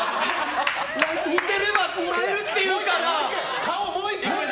似てればくれるっていうから。